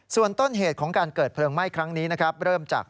ส่วนต้นเหตุของการเกิดเพลิงไหม้ครั้งนี้นะครับเริ่มจาก